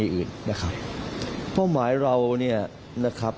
เพราะว่าหมายเราเนี่ยนะครับ